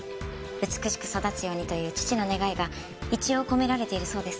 美しく育つようにという父の願いが一応込められているそうです。